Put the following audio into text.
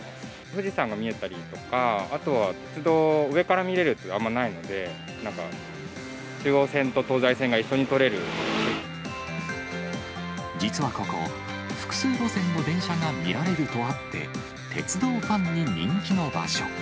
富士山が見えたりとか、あとは鉄道を上から見れるっていうのはあまりないので、なんか中央線と東実はここ、複数路線の電車が見られるとあって、鉄道ファンに人気の場所。